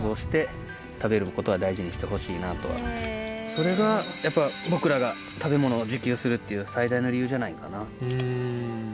それがやっぱ僕らが食べ物を自給するっていう最大の理由じゃないかな。